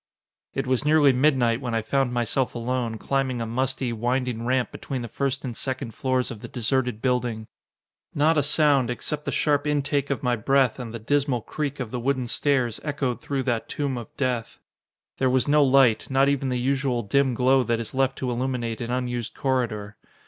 It was nearly midnight when I found myself alone, climbing a musty, winding ramp between the first and second floors of the deserted building. Not a sound, except the sharp intake of my breath and the dismal creak of the wooden stairs, echoed through that tomb of death. There was no light, not even the usual dim glow that is left to illuminate an unused corridor.